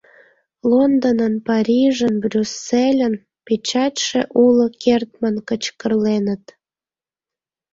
Лондонын, Парижын, Брюссельын печатьше уло кертмын кычкырленыт.